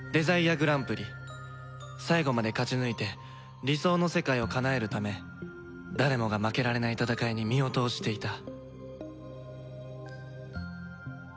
最後まで勝ち抜いて理想の世界をかなえるため誰もが負けられない戦いに身を投じていた